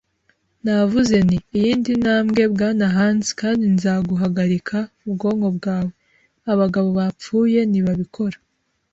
Navuze nti: “Iyindi ntambwe, Bwana Hands, kandi nzaguhagarika ubwonko bwawe! Abagabo bapfuye ntibabikora